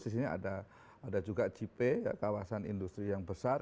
di sini ada juga jipe kawasan industri yang besar